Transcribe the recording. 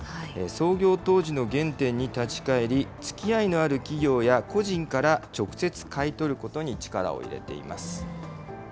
創業当時の原点に立ち返り、つきあいのある企業や個人から直接買い取ることに力を入れています。